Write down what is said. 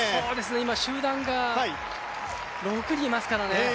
今、集団が６人いますからね。